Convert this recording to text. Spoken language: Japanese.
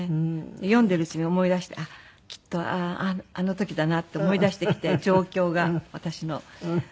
読んでるうちに思い出してあっきっとあの時だなって思い出してきて状況が私の。